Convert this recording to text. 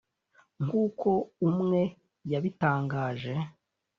nk’uko umwe yabitangaje